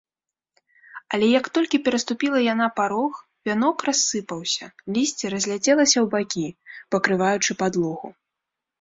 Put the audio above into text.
Але як толькі пераступіла яна парог, вянок рассыпаўся, лісце разляцелася ў бакі, пакрываючы падлогу.